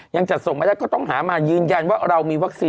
ยังจัดส่งไม่ได้ก็ต้องหามายืนยันว่าเรามีวัคซีน